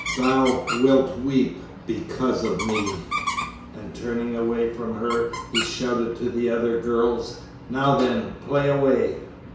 'Thou wilt weep because of me...' and turning away from her he shouted to the other girls: 'Now then! Play away!'